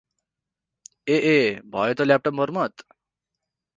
ए ए, भयो त ल्यापटप मर्मत?